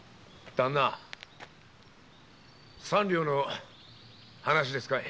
旦那三両の話ですかい。